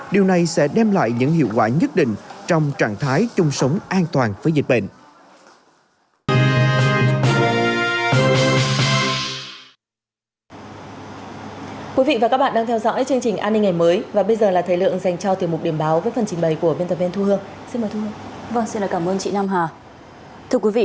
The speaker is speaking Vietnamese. điều này sẽ đem lại những hiệu quả nhất định trong trạng thái chung sống an toàn với dịch bệnh